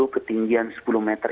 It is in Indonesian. ketinggian sepuluh meter